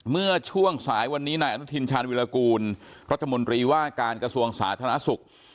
เมื่อช่วงสายวันนี้นายอนุทินชาญวิรากูลรัฐมนตรีว่าการกระทรวงสาธารณสุข